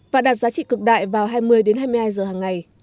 và đạt giá trị cực đại vào hai mươi hai mươi hai giờ hàng ngày